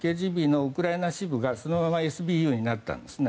ＫＧＢのウクライナ支部がそのままＳＢＵになったんです。